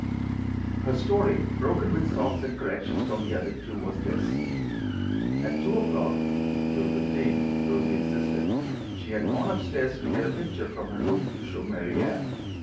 Her story, broken with sobs and corrections from the other two, was this: At two o'clock (two fifteen, Rosie insisted) she had gone up stairs to get a picture from her room to show Mary Anne.